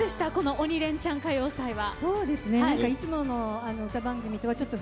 「鬼レンチャン歌謡祭」は。